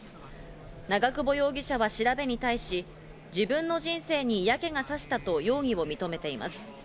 長久保容疑者は調べに対し、自分の人生に嫌気がさしたと容疑を認めています。